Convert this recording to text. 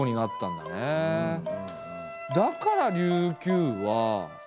だから琉球は。